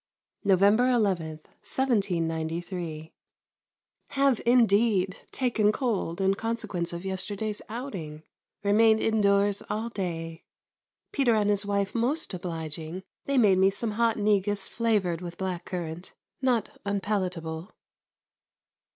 November 11, 1793. Have indeed taken cold in consequence of yesterday's outing. Remained indoors all day. Peter and his wife most obliging. They made me some hot negus flavoured with black currant, not unpalatable.